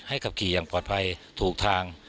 ขับขี่อย่างปลอดภัยถูกทาง